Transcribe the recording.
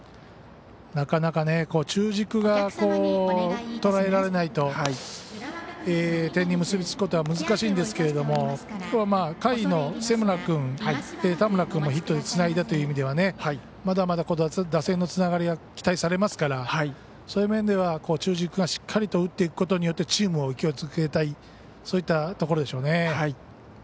なかなか中軸がとらえられないと点に結びつくことは難しいんですけど下位の瀬村君、田村君もヒットでつないでという意味ではまだまだ打線のつながりが期待されますからそういう面では中軸がしっかり打っていくことによってチームを勢いづけたいそういったところでしょうね。